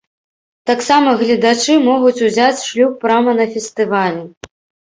Таксама гледачы могуць узяць шлюб прама на фестывалі.